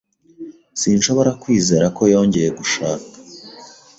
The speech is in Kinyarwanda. Sinshobora kwizera ko yongeye gushaka.